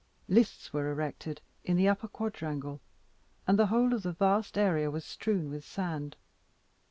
Lists were erected in the upper quadrangle, and the whole of the vast area was strewn with sand.